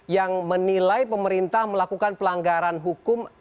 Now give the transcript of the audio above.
yang menilai pemerintah melakukan pelanggaran hukum